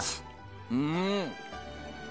うん！